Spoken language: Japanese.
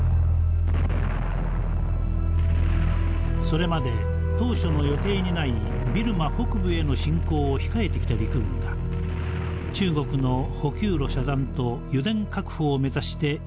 それまで当初の予定にないビルマ北部への侵攻を控えてきた陸軍が中国の補給路遮断と油田確保を目指して一線を越えたのです。